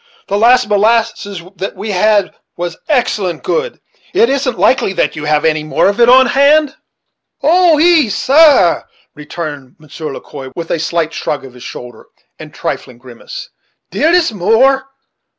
The last molasses that we had was excellent good. It isn't likely that you have any more of it on hand?" "Ah! oui; ees, sair," returned Monsieur Le Quoi, with a slight shrug of his shoulder, and a trifling grimace, "dere is more.